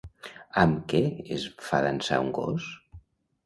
Amb què es fa dansar un gos?